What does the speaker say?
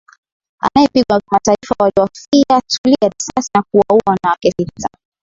anayepigwa kimataifa waliwafiatulia risasi na kuwaua wanawake sita